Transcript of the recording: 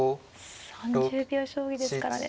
３０秒将棋ですからね